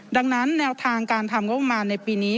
ดังนั้นแนวทางการทำงบประมาณในปีนี้